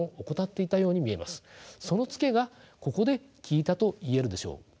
そのツケがここで効いたと言えるでしょう。